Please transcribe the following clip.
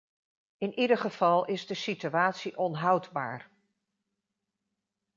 In ieder geval is de situatie onhoudbaar....